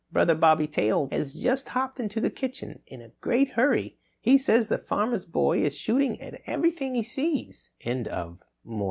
"Brother Bobby Tail has just hopped into the kitchen in a great hurry. He says the Farmer's Boy is shooting at everything he sees." BANG, BANG, BANG!